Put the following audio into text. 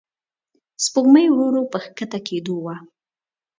سپوږمۍ ورو ورو په کښته کېدو وه.